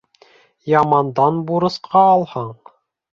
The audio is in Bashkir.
Ямандан бурысҡа алһаң